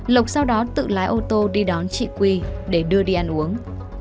lộc sau đó tự lái ô tô đi đón chị quy để đưa đi ăn uống